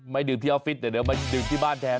ดื่มที่ออฟฟิศเดี๋ยวมาดื่มที่บ้านแทน